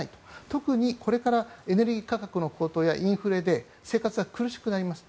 特にこれからエネルギー価格の高騰やインフレで生活が苦しくなります。